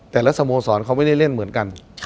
สโมสรเขาไม่ได้เล่นเหมือนกัน